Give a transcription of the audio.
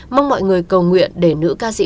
mong mọi người cầu nguyện để nữ ca sĩ